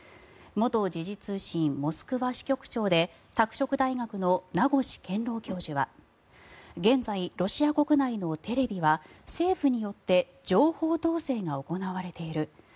元時事通信モスクワ支局長で拓殖大学の名越健郎教授は現在、ロシア国内のテレビは政府によって情報統制が行われている。